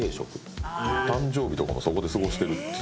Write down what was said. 誕生日とかもそこで過ごしてるっていう。